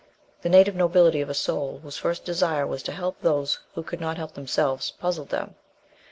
The native nobility of a soul whose first desire was to help those who could not help themselves, puzzled them.